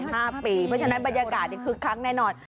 เพราะฉะนั้นบรรยากาศคึกคักแน่นอน